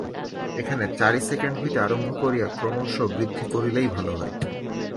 এখানে চারি সেকেণ্ড হইতে আরম্ভ করিয়া ক্রমশ বৃদ্ধি করিলেই ভাল হয়।